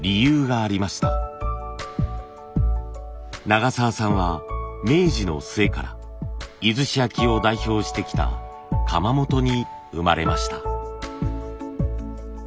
永澤さんは明治の末から出石焼を代表してきた窯元に生まれました。